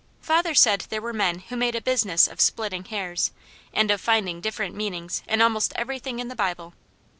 Father said there were men who made a business of splitting hairs, and of finding different meanings in almost everything in the Bible.